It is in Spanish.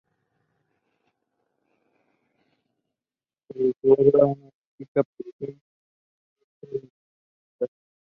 Durante cuarenta anos existió sobre su obra una estricta prohibición de ser publicada.